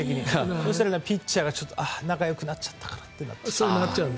そしたらピッチャーが仲よくなっちゃったかってなっちゃう。